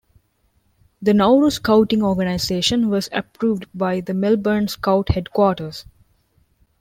The Nauru Scouting organisation was approved by the Melbourne Scout Headquarters.